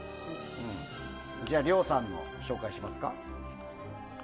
じゃあ、りょうさんのを紹介しますか。